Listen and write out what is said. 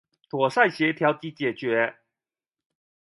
妥善協調及解決